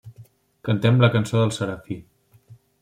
Cantem la cançó del Serafí.